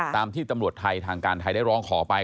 ตามที่ตำรวจไทยทางการไทยได้ร้องขอไป